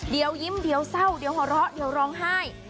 เดี๋ยวยิ้มเดี๋ยวเศร้าเดี๋ยวหัวเราะเดี๋ยวร้องไห้